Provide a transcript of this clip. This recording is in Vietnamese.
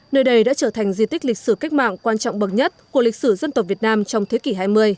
nơi đây đã trở thành di tích lịch sử cách mạng quan trọng bậc nhất của lịch sử dân tộc việt nam trong thế kỷ hai mươi